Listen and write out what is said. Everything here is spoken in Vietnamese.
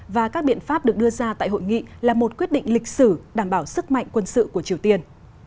và các biện pháp được đưa ra tại hội nghị là một quyết định lịch sử đảm bảo sức mạnh quân sự của triều tiên